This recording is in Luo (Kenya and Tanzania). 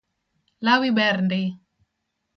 Lawi ber ndi